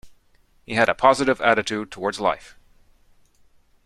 He had a positive attitude towards life.